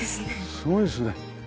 すごいですね。